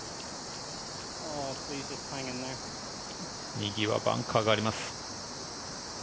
右はバンカーがあります。